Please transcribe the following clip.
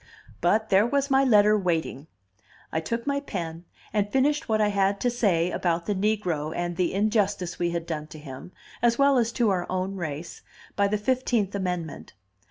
But there was my letter waiting. I took my pen, and finished what I had to say about the negro and the injustice we had done to him, as well as to our own race, by the Fifteenth Amendment.